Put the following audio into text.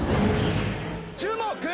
樹木。